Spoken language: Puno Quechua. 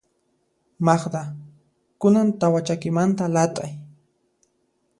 Magda, kunan tawa chakimanta lat'ay.